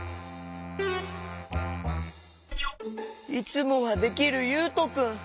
いつもはできるゆうとくん。